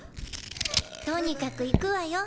とにかく行くわよ！